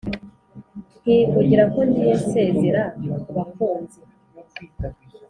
Nkivugira ko ngiye Nsezera ku bakunzi?